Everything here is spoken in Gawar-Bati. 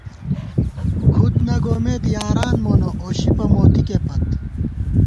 کھُد نہ گومېت یاران مونہ اوشِپہ موتِکے پت